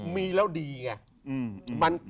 มีแล้วดีไง